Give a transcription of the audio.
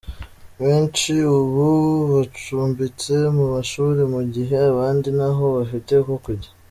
Benshi ubu bacumbitse mu mashuri mu gihe abandi ntaho bafite ho kujya.